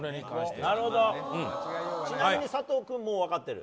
ちなみに佐藤君も分かってる？